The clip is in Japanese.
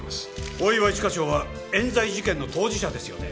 大岩一課長は冤罪事件の当事者ですよね？